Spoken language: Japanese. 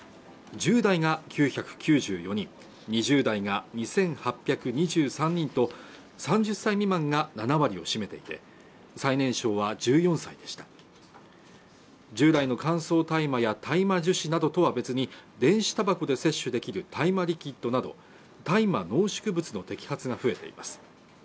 １０代が９９４人２０代が２８２３人と３０歳未満が７割を占めていて最年少は１４歳でした従来の乾燥大麻や大麻樹脂などとは別に電子タバコで摂取できる大麻リキッドなど大麻濃縮物の摘発が増えています